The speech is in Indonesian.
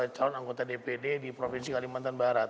calon anggota dpd di provinsi kalimantan barat